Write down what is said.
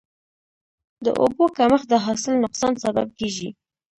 د اوبو کمښت د حاصل نقصان سبب کېږي.